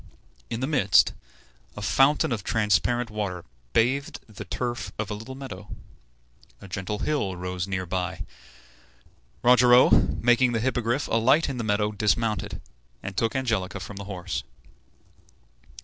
In the midst, a fountain of transparent water bathed the turf of a little meadow. A gentle hill rose near by. Rogero, making the Hippogriff alight in the meadow, dismounted, and took Angelica from the horse.